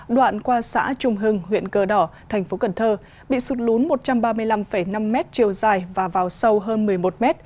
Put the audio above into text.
đoạn qua xã trung hưng huyện cờ đỏ tp cn bị sụt lún một trăm ba mươi năm năm m chiều dài và vào sâu hơn một mươi một m